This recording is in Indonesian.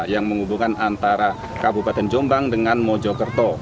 yang menghubungkan antara kabupaten jombang dengan mojokerto